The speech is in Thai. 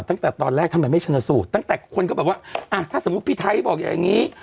ตั้งแต่ตอนแรกทำไมไม่ชนะสูตรตั้งแต่คนก็แบบว่าอ่ะถ้าสมมุติพี่ไทยบอกอย่างนี้